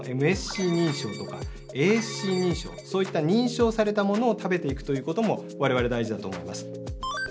ＭＳＣ認証とかａｓｃ認証そういった認証されたものを食べていくということもわれわれ大事だと思います。